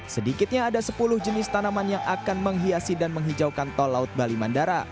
sedikitnya ada sepuluh jenis tanaman yang akan menghiasi dan menghijaukan tol laut bali mandara